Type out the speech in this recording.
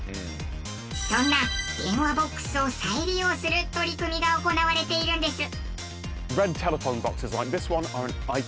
そんな電話ボックスを再利用する取り組みが行われているんです。